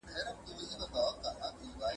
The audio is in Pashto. پاڼې ته وایه چې ماشومان مهار کړي.